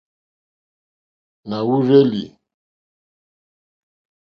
Na wurzeli.